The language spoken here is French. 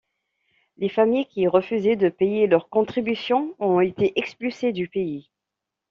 Les familles qui refusaient de payer leur contribution ont été expulsées du pays.